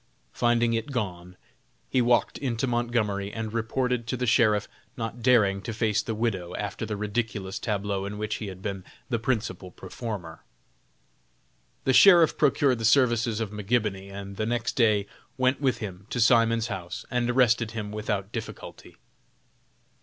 Finding it gone, he walked into Montgomery and reported to the Sheriff, not daring to face the widow after the ridiculous tableau in which he had been the principal performer. The Sheriff procured the services of McGibony, and the next day went with him to Simon's home, and arrested him without difficulty.